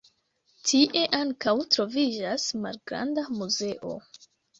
Tie ankaŭ troviĝas malgranda muzeo.